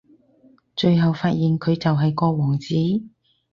最後發現佢就係個王子